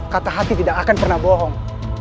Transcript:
kata hati tidak akan pernah bohong